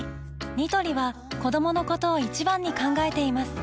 ニトリは子どものことを一番に考えています